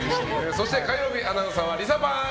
そして火曜日アナウンサーはリサパン！